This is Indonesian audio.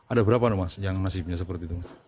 ada berapa mas yang nasibnya seperti itu